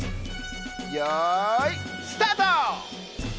よいスタート！